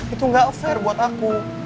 itu gak fair buat aku